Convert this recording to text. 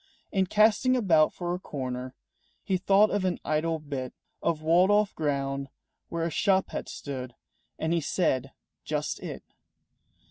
In casting about for a corner He thought of an idle bit Of walled off ground where a shop had stood, And he said, "Just it."